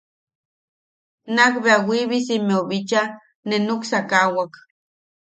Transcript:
Nakbea Wiibisimmeu bicha ne nuksakawak.